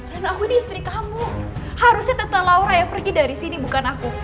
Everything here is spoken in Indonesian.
reno aku ini istri kamu harusnya tante laura yang pergi dari sini bukan aku